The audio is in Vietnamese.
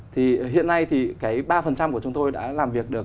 thì hiện nay thì cái ba của chúng tôi đã làm việc được